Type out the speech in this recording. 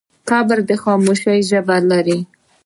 قبر د خاموشۍ ژبه لري.